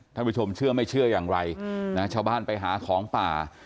ท่านผู้ชมเชื่อไม่เชื่ออย่างไรนะชาวบ้านไปหาของป่า